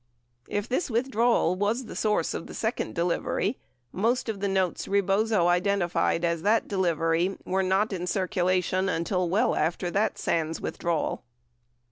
If this withdrawal was the source of the second delivery, most of the notes Rebozo identified as that delivery were not in circulation until well after the Sands withdrawal.